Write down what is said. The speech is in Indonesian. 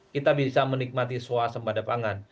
kita bisa menikmati soal semadapangan